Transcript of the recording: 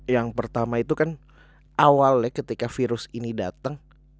yang pertama itu kan awalnya ketika virus ini datang